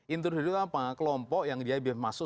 intruder itu kelompok yang dia bisa masuk